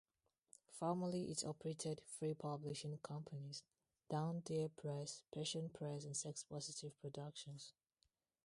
Formerly it operated three publishing companies: Down There Press, Passion Press and Sexpositive Productions.